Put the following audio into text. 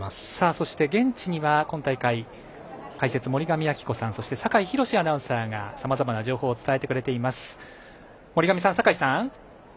そして、現地には今大会解説の森上亜希子さん酒井博司アナウンサーがさまざまな情報を伝えてくれています。